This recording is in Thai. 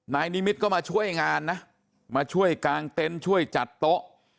นายนิมิตรก็มาช่วยงานนะมาช่วยกางเต็นต์ช่วยจัดโต๊ะ